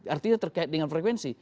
artinya terkait dengan frekuensi